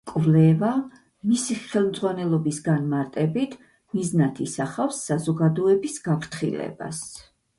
კვლევა, მისი ხელმძღვანელების განმარტებით, მიზნად ისახავს საზოგადოების გაფრთხილებას.